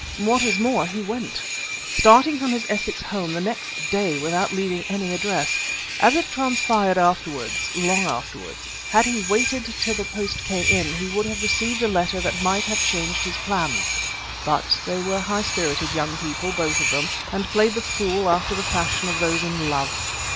What is more, he went, starting from his Essex home the next day without leaving any address. As it transpired afterwards, long afterwards, had he waited till the post came in he would have received a letter that might have changed his plans. But they were high spirited young people, both of them, and played the fool after the fashion of those in love.